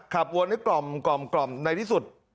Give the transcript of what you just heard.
ขับวนให้กล่อมในที่สุด